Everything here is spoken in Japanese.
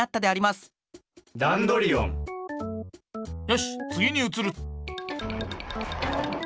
よしつぎにうつる！